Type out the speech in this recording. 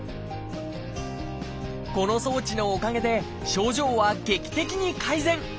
この装置のおかげで症状は劇的に改善！